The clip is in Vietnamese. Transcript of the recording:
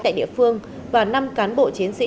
tại địa phương và năm cán bộ chiến sĩ